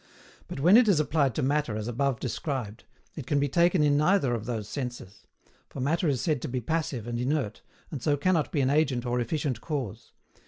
But when it is applied to Matter as above described, it can be taken in neither of those senses; for Matter is said to be passive and inert, and so cannot be an agent or efficient cause.